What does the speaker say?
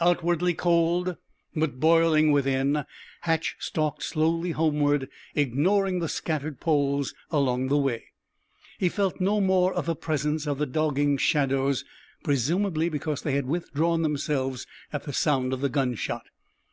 Outwardly cold, but boiling within, Hatch stalked slowly homeward, ignoring the scattered poles along the way. He felt no more of the presence of the dogging shadows, presumably because they had withdrawn themselves at the sound of the gunshot.